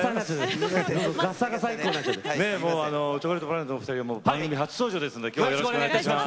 チョコレートプラネットのお二人は番組初登場ですのでよろしくお願いします。